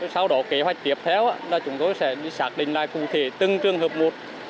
sau đó kế hoạch tiếp theo là chúng tôi sẽ xác định lại cụ thể từng trường hợp một